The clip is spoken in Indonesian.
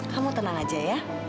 kamu tenang aja ya